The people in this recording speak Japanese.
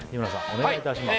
お願いいたします